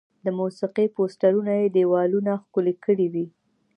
د موسیقي پوسټرونه یې دیوالونه ښکلي کړي وي.